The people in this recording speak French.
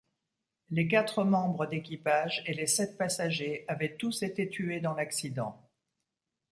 Les quatre membres d'équipage et les sept passagers avaient tous été tués dans l'accident.